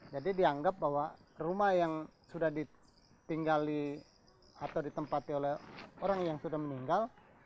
jadi dianggap bahwa rumah yang sudah ditinggali atau ditempati oleh orang yang sudah meninggal